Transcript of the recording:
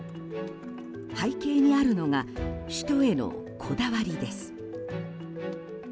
背景にあるのが首都へのこだわりです。